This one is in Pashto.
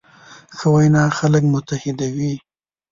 ښه وینا خلک متحدوي.